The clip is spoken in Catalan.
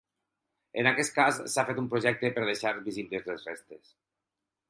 En aquest cas s'ha fet un projecte per deixar visibles les restes.